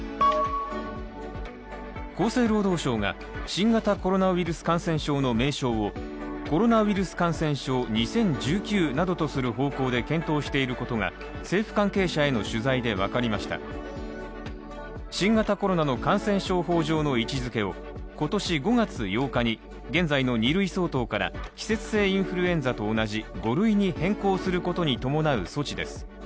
厚生労働省が新型コロナウイルス感染症の名称をコロナウイルス感染症２０１９などとする方向で検討していることが新型コロナの感染症法上の位置づけを今年５月８日に、現在の２類相当から季節性インフルエンザと同じ５類に変更することに伴う措置です。